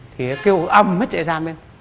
thì kêu âm hết trại giam lên